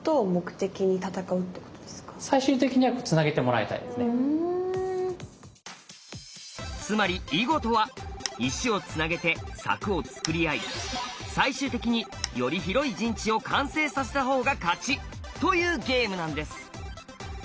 じゃあもうつまり囲碁とは石をつなげて柵をつくり合い最終的により広い陣地を完成させたほうが勝ち！というゲームなんです！